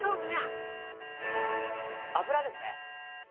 ◆油ですね。